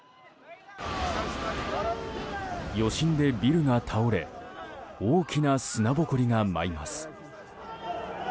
余震でビルが倒れ大きな砂ぼこりが舞います。